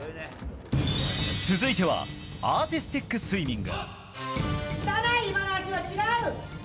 続いてはアーティスティックスイミング。